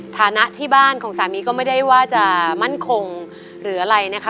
ฐานะที่บ้านของสามีก็ไม่ได้ว่าจะมั่นคงหรืออะไรนะคะ